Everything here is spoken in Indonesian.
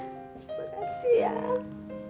terima kasih inam